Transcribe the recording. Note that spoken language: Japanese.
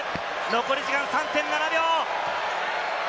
残り時間３．７秒。